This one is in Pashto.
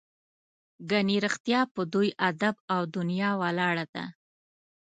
ګنې رښتیا په دوی ادب او دنیا ولاړه ده.